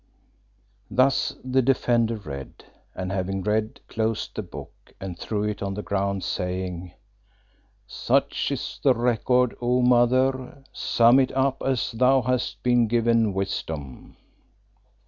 Thus the Defender read, and having read, closed the book and threw it on the ground, saying "Such is the record, O Mother, sum it up as thou hast been given wisdom."